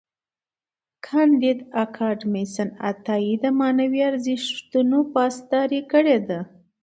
کانديد اکاډميسن عطایي د معنوي ارزښتونو پاسداري کړې ده.